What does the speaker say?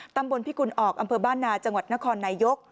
ตำบลพิกุลออกอำเภอบ้านนาจังหวัดนครนายก